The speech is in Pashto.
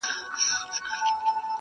هر ګستاخ چي په ګستاخ نظر در ګوري،